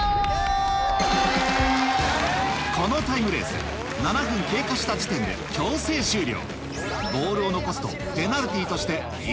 このタイムレース７分経過した時点で強制終了加算されます